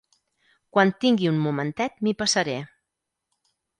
Quan tingui un momentet m'hi passaré.